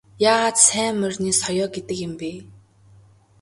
Яагаад сайн морины соёо гэдэг юм бэ?